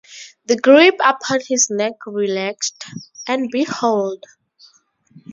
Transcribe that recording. The grip upon his neck relaxed, and behold!